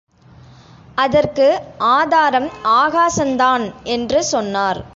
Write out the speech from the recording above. அதற்கு ஆதாரம் ஆகாசந்தான் என்று சொன்னார்.